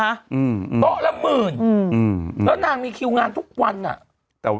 โต๊ะละหมื่นแล้วนางมีคิวงานทุกวันอ่ะ